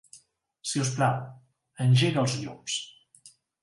Si us plau, engega els llums.